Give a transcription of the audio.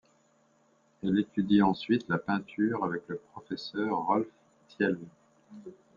Elle étudie ensuite la peinture avec le professeur Rolf Thiele.